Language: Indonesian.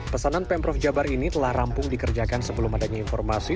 pesanan pemprov jabar ini telah rampung dikerjakan sebelum adanya informasi